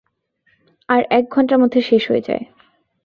আর এক ঘণ্টার মধ্যে শেষ হয়ে যায়।